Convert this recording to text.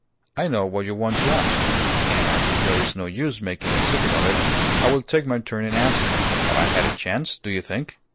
"I know what you want to ask; and as there's no use making a secret of it, I will take my turn in asking. Have I any chance, do you think?"